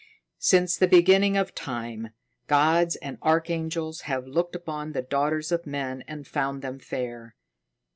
"Since the beginning of time, gods and archangels have looked upon the daughters of men and found them fair.